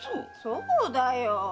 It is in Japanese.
そうだよ。